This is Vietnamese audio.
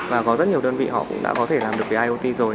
và có rất nhiều đơn vị họ cũng đã có thể làm được với iot rồi